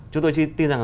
chúng tôi tin rằng